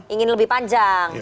ingin lebih panjang